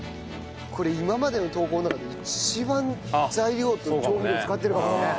これ今までの投稿の中で一番材料と調味料使ってるかもね。